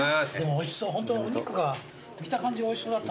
おいしそうお肉が見た感じおいしそうだった。